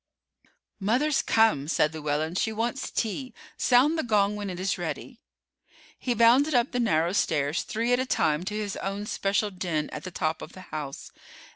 "Mother's come," said Llewellyn; "she wants tea. Sound the gong when it is ready." He bounded up the narrow stairs three at a time to his own special den at the top of the house.